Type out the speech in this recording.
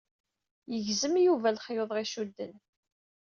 Yegzem Yuba lexyuḍ i ɣ-icudden.